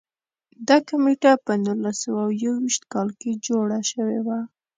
دا کمېټه په نولس سوه یو ویشت کال کې جوړه شوې وه.